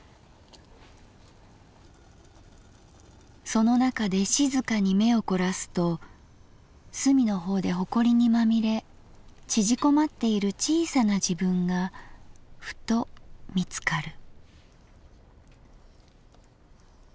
その中で静かに眼をこらすと隅の方でホコリにまみれ縮こまっている小さな自分がフト見つかる」。